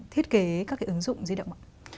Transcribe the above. thiết kế các cái ứng dụng di động